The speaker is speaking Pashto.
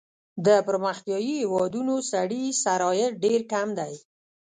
د پرمختیايي هېوادونو سړي سر عاید ډېر کم دی.